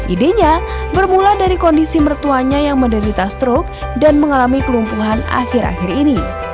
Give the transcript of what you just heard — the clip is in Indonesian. idenya bermula dari kondisi mertuanya yang menderita stroke dan mengalami kelumpuhan akhir akhir ini